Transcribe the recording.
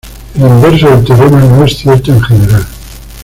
El inverso del teorema no es cierto en general.